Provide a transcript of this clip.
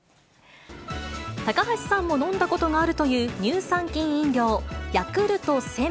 高橋さんも飲んだことがあるという乳酸菌飲料、ヤクルト１０００。